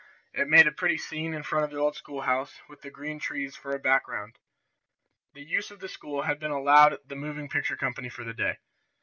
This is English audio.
It made a pretty scene in front of the old school house, with the green trees for a background. The use of the school had been allowed the moving picture company for the day.